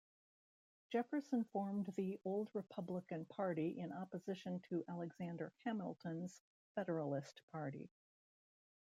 Jefferson formed the Old Republican party in opposition to Alexander Hamilton's Federalist party.